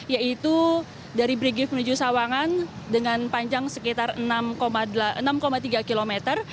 yaitu dari brigif menuju sawangan dengan panjang sekitar enam tiga km